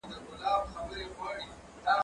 زه اوږده وخت ښوونځی ته ځم وم؟